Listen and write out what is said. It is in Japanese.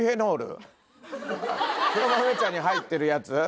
黒豆茶に入ってるやつ？